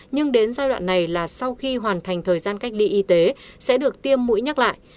nhưng đến giai đoạn này là sau khi hoàn thành thời gian cách ly y tế sẽ được tiêm mũi nhắc lại